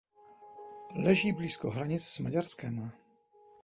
Leží blízko hranic s Maďarskem.